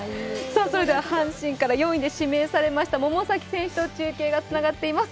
それでは阪神から４位で指名された百崎選手と中継がつながっています。